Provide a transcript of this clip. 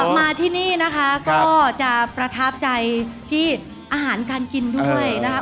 มาที่นี่นะคะก็จะประทับใจที่อาหารการกินด้วยนะครับ